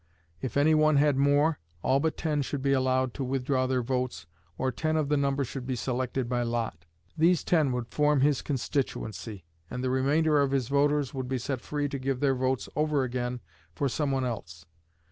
If any one had more, all but ten should be allowed to withdraw their votes, or ten of the number should be selected by lot. These ten would form his constituency, and the remainder of his voters would be set free to give their votes over again for some one else.